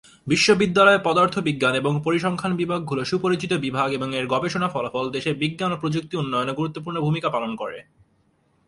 বিশ্ববিদ্যালয়ের পদার্থবিজ্ঞান এবং পরিসংখ্যান বিভাগগুলো সুপরিচিত বিভাগ এবং এর গবেষণা ফলাফল দেশে বিজ্ঞান ও প্রযুক্তি উন্নয়নে গুরুত্বপূর্ণ ভূমিকা পালন করে।